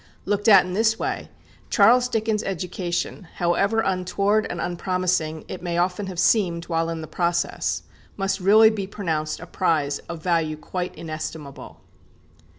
Looked at in this way, Charles Dickens' education, however untoward and unpromising it may often have seemed while in the process, must really be pronounced a prize of value quite inestimable.